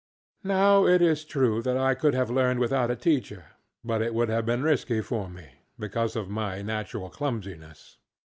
Now it is true that I could have learned without a teacher, but it would have been risky for me, because of my natural clumsiness.